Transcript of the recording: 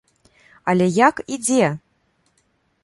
Але як і дзе?